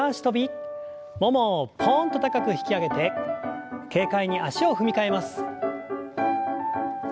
ももをポンと高く引き上げて軽快に足を踏み替えます。